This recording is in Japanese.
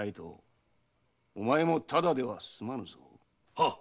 はっ！